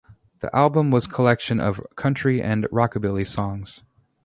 The album was collection of country and Rockabilly songs.